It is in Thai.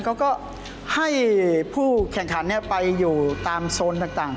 เขาก็ให้ผู้แข่งขันไปอยู่ตามโซนต่าง